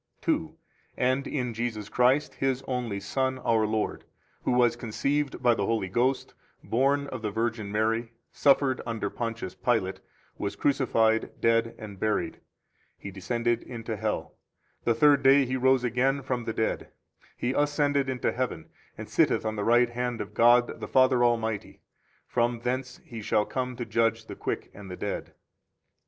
12 2. And in Jesus Christ, His only Son, our Lord; who was conceived by the Holy Ghost, born of the Virgin Mary; suffered under Pontius Pilate, was crucified, dead and buried; He descended into hell; the third day He rose again from the dead; He ascended into heaven, and sitteth on the right hand of God the Father Almighty; from thence He shall come to judge the quick and the dead.